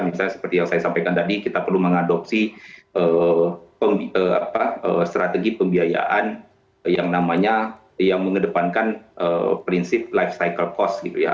misalnya seperti yang saya sampaikan tadi kita perlu mengadopsi strategi pembiayaan yang namanya yang mengedepankan prinsip life cycle cost gitu ya